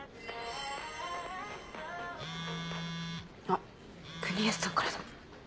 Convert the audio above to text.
あっ国安さんからだ。